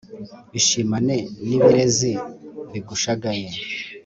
Ishimane n'ibirezi bigushagaye